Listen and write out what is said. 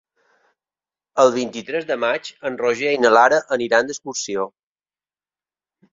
El vint-i-tres de maig en Roger i na Lara aniran d'excursió.